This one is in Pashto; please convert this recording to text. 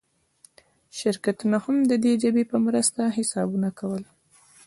شرکتونه هم د دې ژبې په مرسته حسابونه کول.